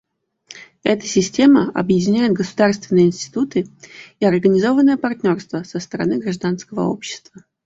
Эта система объединяет государственные институты и организованное партнерство со стороны гражданского общества.